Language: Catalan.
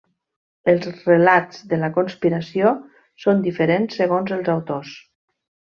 Els relats de la conspiració són diferents segons els autors.